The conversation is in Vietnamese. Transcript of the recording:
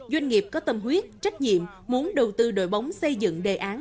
doanh nghiệp có tâm huyết trách nhiệm muốn đầu tư đội bóng xây dựng đề án